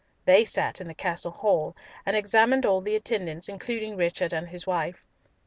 They sat in the castle hall, and examined all the attendants, including Richard and his wife.